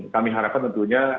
kami harapkan tentunya